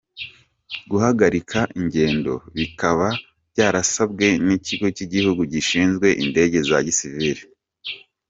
Guhagarika ingendo bikaba byarasabwe n’Ikigo cy’igihugu gishinzwe indege za Gisivile.